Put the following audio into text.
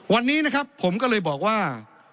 วันนี้นะครับผมก็เลยบอกว่า